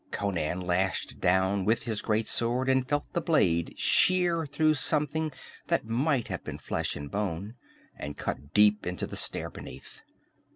Conan lashed down with his great sword and felt the blade shear through something that might have been flesh and bone, and cut deep into the stair beneath.